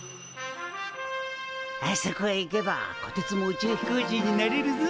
あそこへ行けばこてつも宇宙飛行士になれるぞ。